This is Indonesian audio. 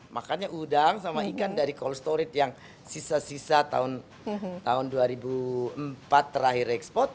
makannya udang sama ikan dari cold storage yang sisa sisa tahun dua ribu empat terakhir ekspor